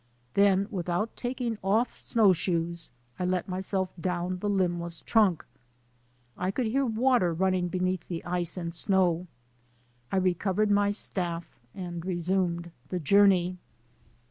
Then, without taking off snowshoes, I let myself down the limbless trunk. I could hear water SNOW BLINDED ON THE SUMMIT u running beneath the ice and snow. I recovered my staff and resumed the journey.